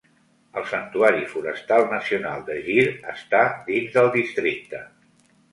El santuari forestal nacional de Gir està dins el districte.